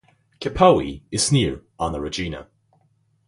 Capoey is near Anna Regina.